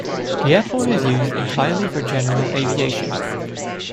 The airport is used entirely for general aviation.